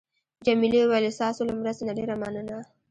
جميلې وويل: ستاسو له مرستې نه ډېره مننه.